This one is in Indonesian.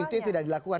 itu yang tidak dilakukan